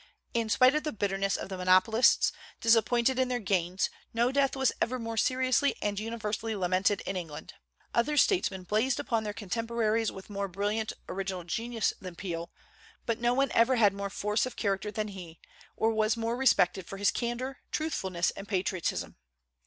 In spite of the bitterness of the monopolists, disappointed in their gains, no death was ever more seriously and universally lamented in England. Other statesmen blazed upon their contemporaries with more brilliant original genius than Peel, but no one ever had more force of character than he, or was more respected for his candor, truthfulness, and patriotism.